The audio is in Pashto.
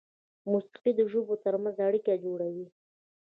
موسیقي د ژبو تر منځ اړیکه جوړوي.